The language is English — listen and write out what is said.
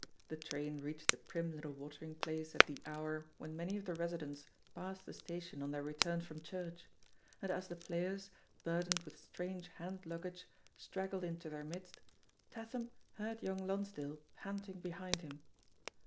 The train reached the prim little watering place at the hour when many of the residents passed the station on their return from church ; and as the players, burdened with strange hand luggage, straggled into their midst, Tatham heard young Lonsdale panting behind him.